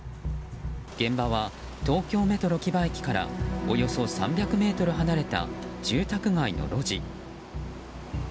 現場は東京メトロ木場駅からおよそ３００ｍ離れた住宅街の路地。